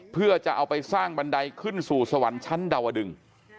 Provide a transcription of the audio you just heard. เพื่อจะเอาไปสร้างบันไดขึ้นสู่สวรรค์ชั้นดาวดึง